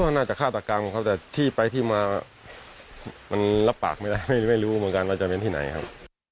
น่าจะฆาตกรรมของเขาแต่ที่ไปที่มามันรับปากไม่ได้ไม่รู้เหมือนกันว่าจะเป็นที่ไหนครับ